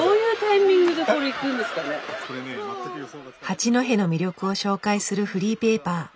八戸の魅力を紹介するフリーペーパー。